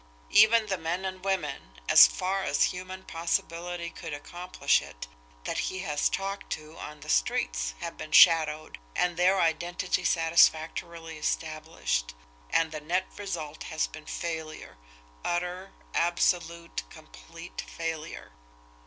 Even the men and women, as far as human possibility could accomplish it, that he has talked to on the streets have been shadowed, and their identity satisfactorily established and the net result has been failure; utter, absolute, complete failure!"